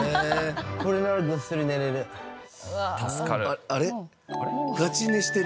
これならぐっすり寝られる。